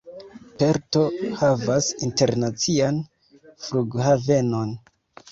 Perto havas internacian flughavenon.